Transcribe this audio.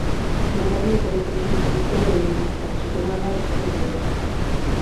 Na horním tok teče v úzké dolině a překonává četné peřeje.